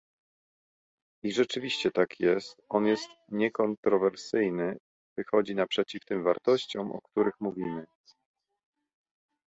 I rzeczywiście tak jest, on jest niekontrowersyjny, wychodzi naprzeciw tym wartościom, o których mówimy